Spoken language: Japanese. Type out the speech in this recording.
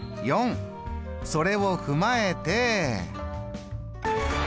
それを踏まえて。